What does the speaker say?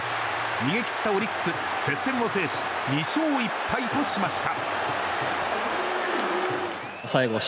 逃げ切ったオリックス接戦を制し２勝１敗としました。